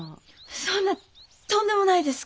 そんなとんでもないです